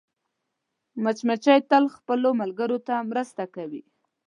مچمچۍ تل خپلو ملګرو ته مرسته کوي